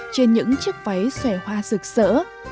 trên những chiếc váy xòe hoa rực rỡ